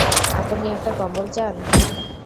আপনি একটা কম্বল চান?